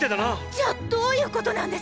じゃあどういうことなんです